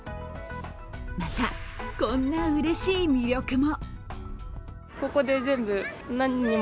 また、こんなうれしい魅力も。